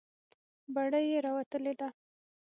بړۍ یې راوتلې ده.